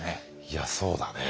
いやそうだね。